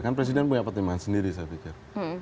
kan presiden punya pertimbangan sendiri saya pikir